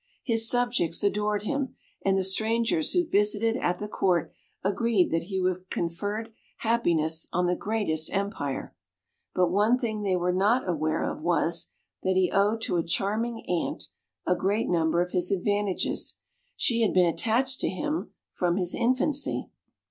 His subjects adored him, and the strangers who visited at the Court agreed that he would have conferred happiness on the greatest empire. But one thing they were not aware of was, that he owed to a charming Ant a great number of his advantages. She had been attached to him from his infancy.